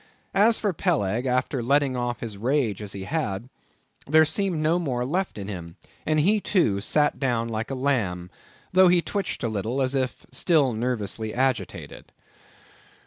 As for Peleg, after letting off his rage as he had, there seemed no more left in him, and he, too, sat down like a lamb, though he twitched a little as if still nervously agitated.